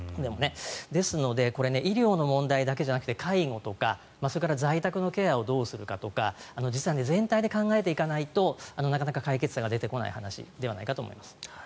ですので医療の問題だけじゃなく介護とか在宅のケアとか実は全体で考えていかないとなかなか解決策が出てこない話ではないかと思います。